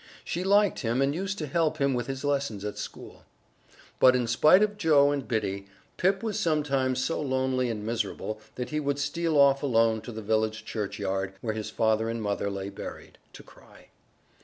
She liked him and used to help him with his lessons at school. But in spite of Joe and Biddy, Pip was sometimes so lonely and miserable that he would steal off alone to the village churchyard, where his father and mother lay buried, to cry.